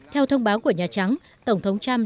theo thông báo của nhà trắng tổng thống trump